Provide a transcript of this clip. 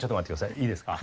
いいですか？